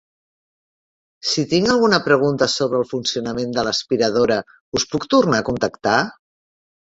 Si tinc alguna pregunta sobre el funcionament de l'aspiradora, us puc tornar a contactar?